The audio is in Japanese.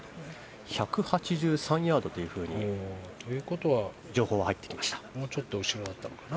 １８３ヤードというふうに情報が入っています。